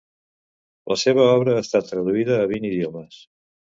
La seva obra ha estat traduïda a vint idiomes.